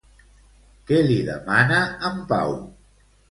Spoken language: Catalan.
Què li demana en Pau?